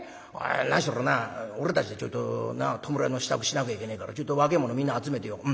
何しろな俺たちでちょいと弔いの支度しなきゃいけねえからちょいと若え者みんな集めてようん」。